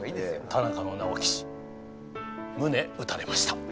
田中の直樹氏胸打たれました。